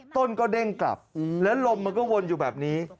ต้นก็เด้งกลับแล้วลมมันก็วนอยู่แบบนี้